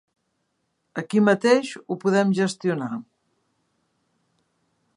Aquí mateix ho podem gestionar.